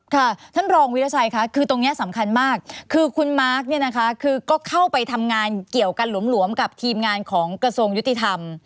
ท่านรองวิราชัยค่ะคือตรงนี้สำคัญมากคือคุณมาร์คเนี่ยนะคะคือก็เข้าไปทำงานเกี่ยวกันหลวมกับทีมงานของกระทรวงยุติธรรม